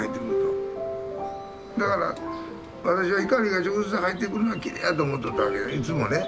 だから私は光が直接入ってくるのがきれいやと思っとったわけやねいつもね。